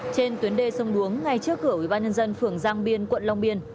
trên tuyến đê sông đuống ngay trước cửa ủy ban nhân dân phường giang biên quận long biên